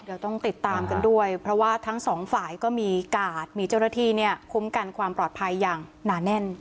เดี๋ยวต้องติดตามกันด้วยเพราะว่าทั้งสองฝ่ายก็มีกาดมีเจ้าหน้าที่เนี่ยคุ้มกันความปลอดภัยอย่างหนาแน่น